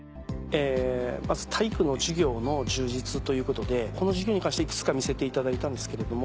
まず体育の授業の充実ということでこの事業に関していくつか見せていただいたんですけれども。